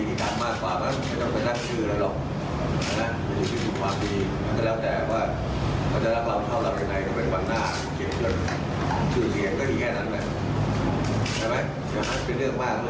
ใช่ไหมเหมือนเป็นเรื่องบ้างเลย